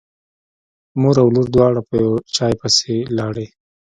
مور او لور دواړه په چای پسې لاړې.